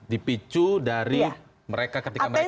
dipicu dari mereka ketika mereka